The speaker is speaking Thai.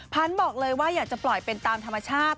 บอกเลยว่าอยากจะปล่อยเป็นตามธรรมชาติ